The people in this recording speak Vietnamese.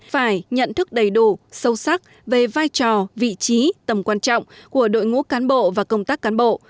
phải nhận thức đầy đủ sâu sắc về vai trò vị trí tầm quan trọng của đội ngũ cán bộ và công tác cán bộ